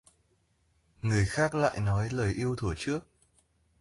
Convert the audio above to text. Người khác lại nói lời yêu thuở trước